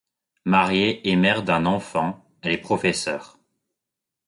Mariée et mère d'un enfant, elle est professeur.